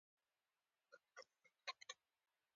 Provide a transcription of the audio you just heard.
د کاجو دانه د څه لپاره وکاروم؟